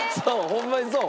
ホンマにそう。